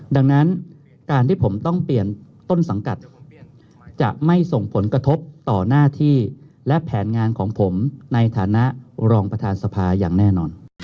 ดังนั้นการที่ผมต้องเปลี่ยนต้นสังกัดจะไม่ส่งผลกระทบต่อหน้าที่และแผนงานของผมในฐานะรองประธานสภาอย่างแน่นอน